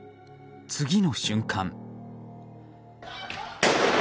次の瞬間。